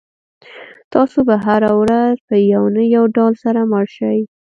تاسو به هره ورځ په یو نه یو ډول سره مړ شئ.